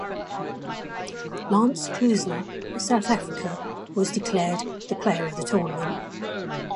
Lance Klusener of South Africa was declared the Player of the Tournament.